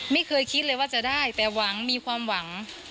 ไม่เคยคิดเลยว่าจะได้แต่หวังมีความหวัง